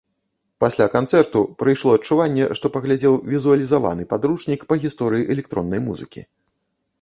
Пасля канцэрту прыйшло адчуванне, што паглядзеў візуалізаваны падручнік па гісторыі электроннай музыкі.